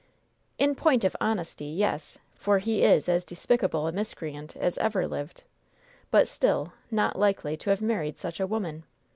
"In point of honesty, yes; for he is as despicable a miscreant as ever lived; but, still, not likely to have married such a woman.